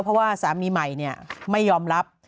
เพราะว่าสามีใหม่ไม่ยอมรับ